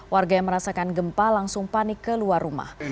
warga yang merasakan gempa langsung panik keluar rumah